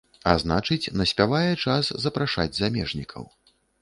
А значыць, наспявае час запрашаць замежнікаў.